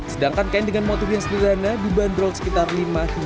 sedangkan kain dengan motif yang sederhana dibanderol sekitar lima hingga enam ratus ribu rupiah